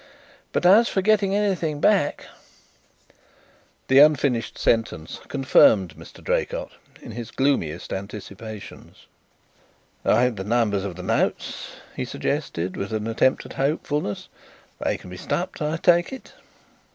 But as for getting anything back " The unfinished sentence confirmed Mr. Draycott in his gloomiest anticipations. "I have the numbers of the notes," he suggested, with an attempt at hopefulness. "They can be stopped, I take it?"